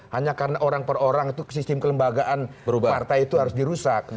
hanya karena orang per orang itu sistem kelembagaan partai itu harus dirusak